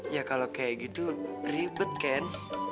ya kalau kayak gitu ribet kan